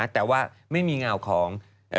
แต่ว่าไม่มีเงาของ